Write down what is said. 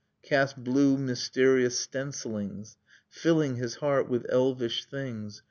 Cast blue mysterious stencillings, Filling his heart with elvish things.